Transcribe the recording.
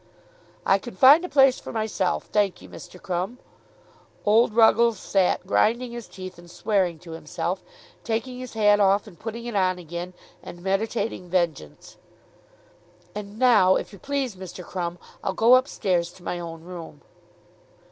"I can find a place for myself, thank ye, Mr. Crumb." Old Ruggles sat grinding his teeth, and swearing to himself, taking his hat off and putting it on again, and meditating vengeance. "And now if you please, Mr. Crumb, I'll go up stairs to my own room."